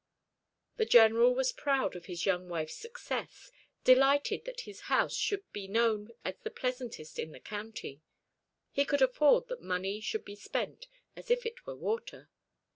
The General was proud of his young wife's success, delighted that his house should be known as the pleasantest in the county. He could afford that money should be spent as if it were water.